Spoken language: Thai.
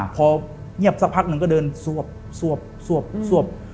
พอเงียบสักพักหนึ่งก็เดินสวบ